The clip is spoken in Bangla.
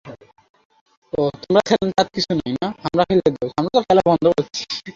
এতে কোন পরিবর্তন আনব না।